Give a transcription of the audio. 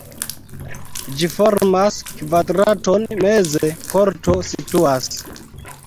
Ĝi formas kvadraton, meze korto situas.